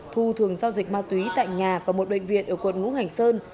thu thường giao dịch ma túy tại nhà và một bệnh viện ở quận ngũ hành sơn